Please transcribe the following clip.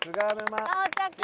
到着！